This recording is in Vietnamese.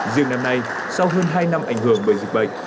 riêng năm nay sau hơn hai năm ảnh hưởng bởi dịch bệnh